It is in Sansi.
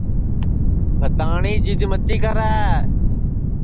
بھتاٹؔیں جِد متی کرے